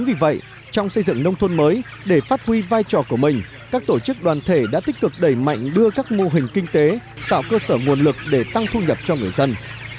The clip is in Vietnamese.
vì vậy trong xây dựng nông thôn mới để phát huy vai trò của mình các tổ chức đoàn thể đã tích cực đẩy mạnh đưa các mô hình kinh tế tạo cơ sở nguồn lực để tăng thu nhập cho người dân